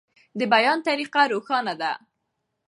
د بیان طریقه روښانه ده.